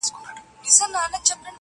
او راپورونه جوړوي دلته